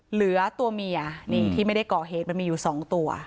เหลือตัวเมียนี่ที่ไม่ได้ก่อเหตุมันมีอยู่สองตัว